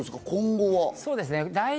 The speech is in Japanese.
今後は。